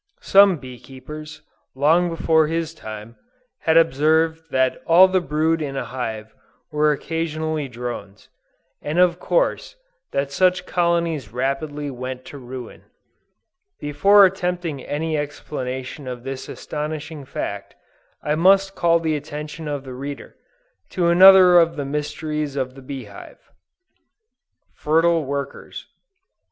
Some Bee Keepers, long before his time, had observed that all the brood in a hive were occasionally drones, and of course, that such colonies rapidly went to ruin. Before attempting any explanation of this astonishing fact, I must call the attention of the reader, to another of the mysteries of the Bee Hive, FERTILE WORKERS.